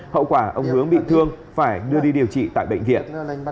hậu quả ông hướng bị thương phải đưa đi điều trị tại bệnh viện